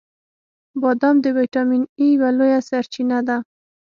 • بادام د ویټامین ای یوه لویه سرچینه ده.